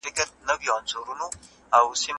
هغه وويل چي لیکل ضروري دي!!